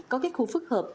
có các khu phức hợp